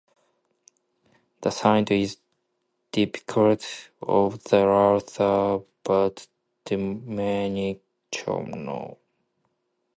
The saint is depicted over the altar, by Domenichino.